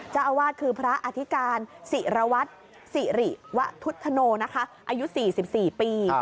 เจ้าอาวาสคือพระอธิการศิระวัติศิริวทุธโนนะคะอายุสี่สิบสี่ปี